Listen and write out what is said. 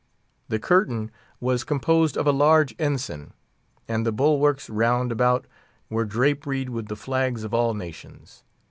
The curtain was composed of a large ensign, and the bulwarks round about were draperied with the flags of all nations.